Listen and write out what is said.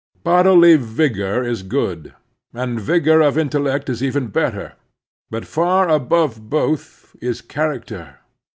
Bodily vigor is good, and vigor of intellect is even better, but far above both is character.